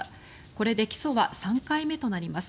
これで起訴は３回目となります。